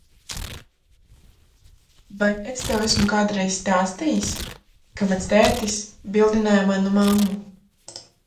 Vai es tev esmu kādreiz stāstījis, kā mans tētis bildināja manu mammu?